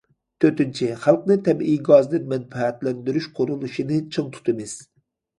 تۆتىنچى، خەلقنى تەبىئىي گازدىن مەنپەئەتلەندۈرۈش قۇرۇلۇشىنى چىڭ تۇتىمىز.